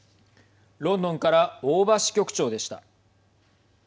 ロンドンから大庭支局長でした。